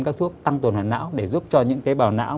các thuốc tăng tồn hòa não để giúp cho những tế bào não